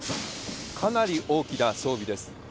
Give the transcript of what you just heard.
かなり大きな装備です。